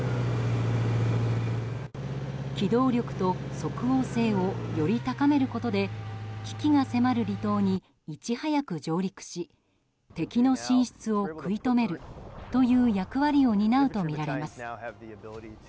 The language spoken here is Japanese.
機動力と即応性をより高めることで危機が迫る離島にいち早く上陸し敵の進出を食い止めるという役割を担うとみられます。